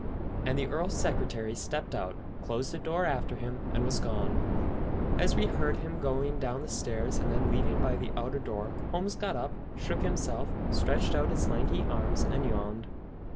And the Earl's secretary stepped out, closed the door after him, and was gone. As we heard him going down the stairs, and then leaving by the outer door, Holmes got up, shook himself, stretched out his lanky arms, and yawned.